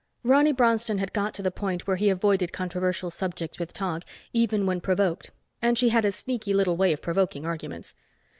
Ronny Bronston had got to the point where he avoided controversial subjects with Tog even when provoked and she had a sneaky little way of provoking arguments.